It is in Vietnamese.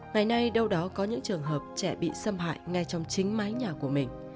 ngày nay đâu đó có những trường hợp trẻ bị xâm hại ngay trong chính mái nhà của mình